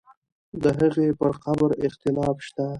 د هغې پر قبر اختلاف شته.